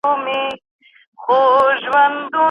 که موږ کار ونه کړو، هيڅکله به پرمختګ ونه کړو.